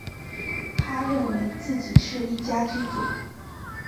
他认为自己是一家之主